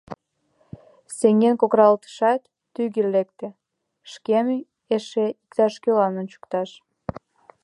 Сеҥен кокыралтышат, тӱгӧ лекте: шкем эше иктаж-кӧлан ончыкташ.